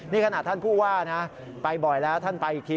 นี่ขนาดท่านผู้ว่านะไปบ่อยแล้วท่านไปอีกที